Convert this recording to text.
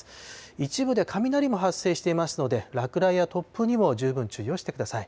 一部で雷も発生していますので、落雷や突風にも十分注意をしてください。